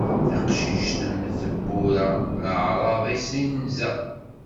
Taqcict mm tebbura, leɛṛeḍ-is inza.